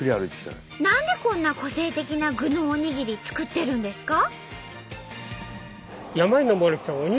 何でこんな個性的な具のおにぎり作ってるんですか？